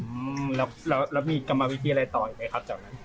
อืมแล้วแล้วมีกรรมวิธีอะไรต่ออีกไหมครับจากนั้น